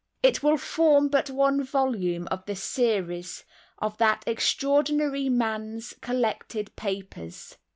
It will form but one volume of the series of that extraordinary man's collected papers.